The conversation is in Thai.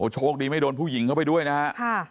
โชคดีไม่โดนผู้หญิงเข้าไปด้วยนะฮะ